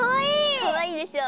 かわいいでしょ。